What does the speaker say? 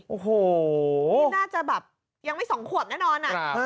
โอ้โหนี่น่าจะแบบยังไม่๒ขวบแน่นอน